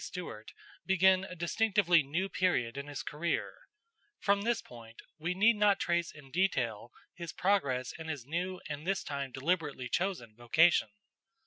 Stuart begin a distinctively new period in his career, From this point we need not trace in detail his progress in his new and this time deliberately chosen vocation.